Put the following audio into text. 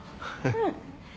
うん。